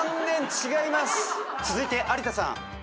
続いて有田さん。